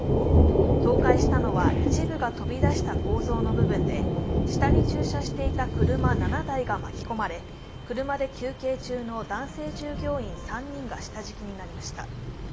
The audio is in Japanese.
倒壊したのは、一部が飛び出した構造の部分で下に駐車していた車７台が巻き込まれ車で休憩中の男性従業員３人が下敷きになりました。